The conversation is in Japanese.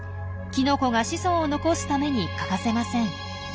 キノコが子孫を残すために欠かせません。